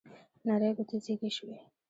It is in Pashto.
نرۍ ګوتې زیږې شوې